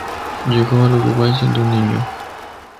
Llegó al Uruguay siendo un niño.